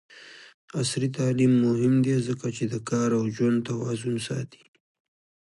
عصري تعلیم مهم دی ځکه چې د کار او ژوند توازن ساتي.